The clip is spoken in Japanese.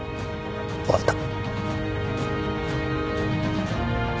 わかった。